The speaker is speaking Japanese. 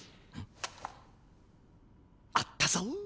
あったぞ。